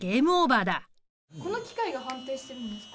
この機械が判定してるんですか？